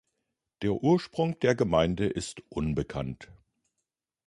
Der Ursprung der Gemeinde ist unbekannt.